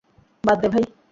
বাদ দে ভাই।